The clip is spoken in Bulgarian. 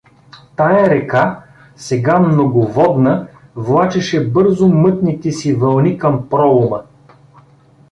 Тая река, сега многоводна, влачеше бързо мътните си вълни към пролома.